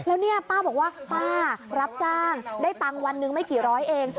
แล้วเนี่ยป้าบอกว่าป้ารับจ้างได้ตังค์วันหนึ่งไม่กี่ร้อยเอง